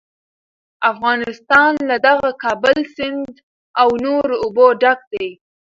افغانستان له دغه کابل سیند او نورو اوبو ډک دی.